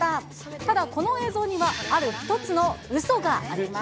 ただ、この映像には、ある一つのうそがあります。